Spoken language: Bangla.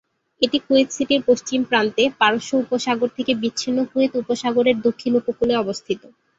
এটি কুয়েত সিটির পশ্চিম প্রান্তে, পারস্য উপসাগর থেকে বিচ্ছিন্ন কুয়েত উপসাগরের দক্ষিণ উপকূলে অবস্থিত।